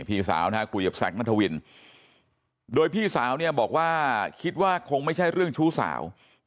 พี่สาวนะฮะคุยกับแซคนัทวินโดยพี่สาวเนี่ยบอกว่าคิดว่าคงไม่ใช่เรื่องชู้สาว